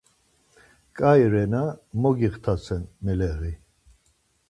Ǩai rena, mogixtase meleği